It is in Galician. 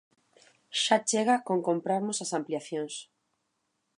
Xa chega con comprarmos as ampliacións.